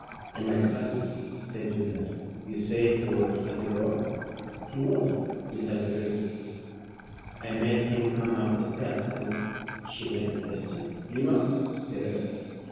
"And my cousin," said Julius. "You say he was at the door?" "He was, Mr. Beryl. I made him come up the stairs and" she made a gesture "you know the rest."